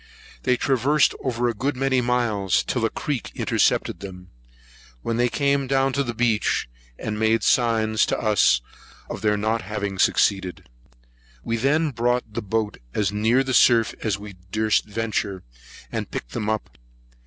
They traversed over a good many miles, till a creek intercepted them; when they came down to the beach, and made signs to us of their not having succeeded. We then brought the boat as near the surf as we durst venture, and picked them up.